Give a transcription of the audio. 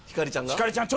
ひかりちゃん